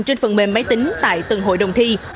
trên phần mềm máy tính tại từng hội đồng thi